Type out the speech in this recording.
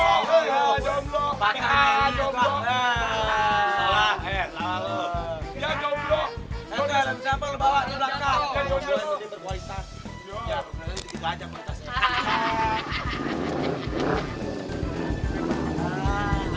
kau dah disamput bawain mata mariahgosa